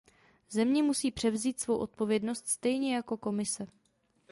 Země musí převzít svou odpovědnost stejně jako Komise.